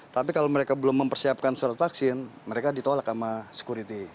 tapi kalau mereka belum mempersiapkan surat vaksin mereka ditolak